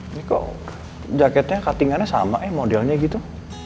ini kok jaketnya cuttingannya sama eh modelnya gitu